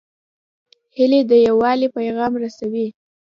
هیلۍ د یووالي پیغام رسوي